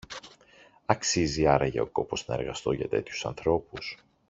Αξίζει άραγε ο κόπος να εργαστώ για τέτοιους ανθρώπους